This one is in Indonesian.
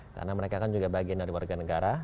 karena mereka kan juga bagian dari warga negara